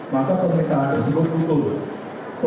maka pemerintahan tersebut butuh